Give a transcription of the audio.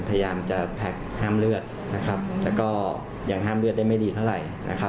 พยายามแผกห้ามเลือดแต่ก็ยังห้ามเลือดได้ไม่ดีเท่าไหร่